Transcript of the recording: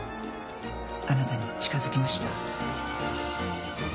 あなたに近づきました。